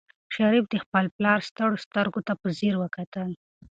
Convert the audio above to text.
شریف د خپل پلار ستړو سترګو ته په ځیر وکتل.